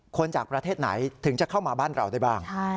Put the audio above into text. จากประเทศไหนถึงจะเข้ามาบ้านเราได้บ้าง